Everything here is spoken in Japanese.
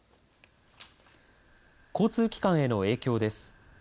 交通機関への影響です。